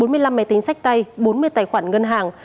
bốn mươi năm máy tính sách tay bốn mươi tài khoản ngân hàng